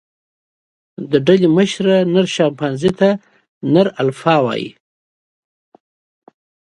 د ډلې مشره، نر شامپانزي ته نر الفا وایي.